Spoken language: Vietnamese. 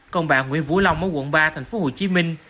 còn bạn nguyễn vũ long ở quận ba thành phố hồ chí minh